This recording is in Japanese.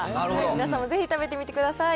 皆さんもぜひ食べてみてください。